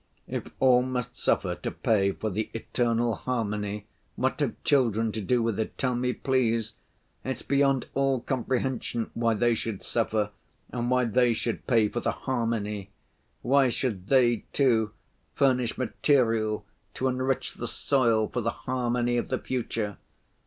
If all must suffer to pay for the eternal harmony, what have children to do with it, tell me, please? It's beyond all comprehension why they should suffer, and why they should pay for the harmony. Why should they, too, furnish material to enrich the soil for the harmony of the future?